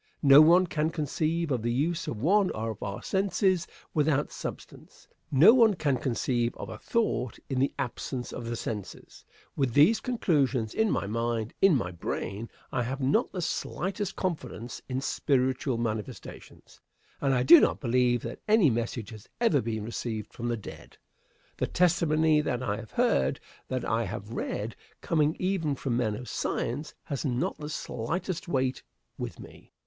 No one can conceive of the use of one of our senses without substance. No one can conceive of a thought in the absence of the senses. With these conclusions in my mind in my brain I have not the slightest confidence in "spiritual manifestations," and do not believe that any message has ever been received from the dead. The testimony that I have heard that I have read coming even from men of science has not the slightest weight with me.